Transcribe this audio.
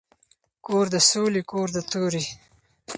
کور د ســــولي کـــــور د تَُوري